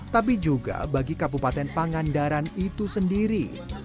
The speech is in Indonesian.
tapi juga bagi kabupaten pangandaran itu sendiri